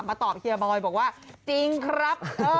มาตอบเฮียบอยก็ตอบว่าจริงครับ